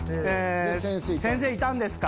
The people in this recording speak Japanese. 「先生いたんですか？」。